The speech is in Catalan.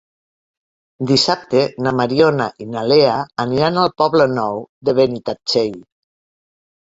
Dissabte na Mariona i na Lea aniran al Poble Nou de Benitatxell.